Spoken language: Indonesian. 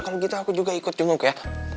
kalau gitu aku juga ikut jenguk ya